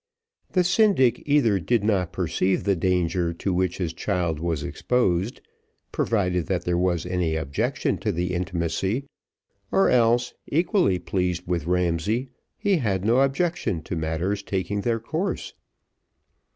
The syndic either did not perceive the danger to which his child was exposed, provided that there was any objection to the intimacy, or else, equally pleased with Ramsay, he had no objection to matters taking their course.